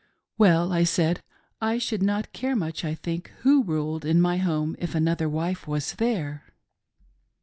" Well," I said, " I should not care much, I think, who ruled in my home if another wife was there."